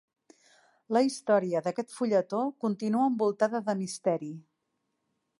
La història d'aquest fulletó continua envoltada de misteri.